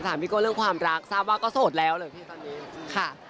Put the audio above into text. คำนี้เรื่องความรักทราบว่าก็โสดแล้วไหมพี่ตอนนี้